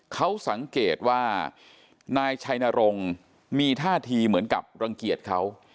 เขาสังเกตว่านายชัยนรงค์มีท่าทีเหมือนกับรังเกียจเขา